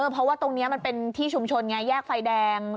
เพราะว่าตรงนี้มันเป็นที่ชุมชนไงแยกไฟแดง